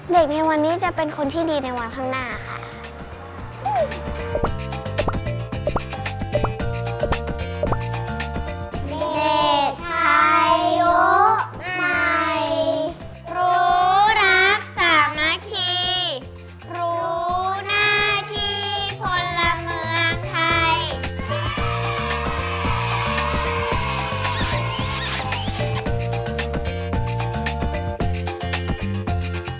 ในวันนี้จะเป็นคนที่ดีในวันข้างหน้าค่ะ